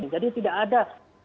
jadi tidak ada